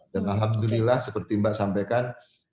dan alhamdulillah seperti mbak sampaikan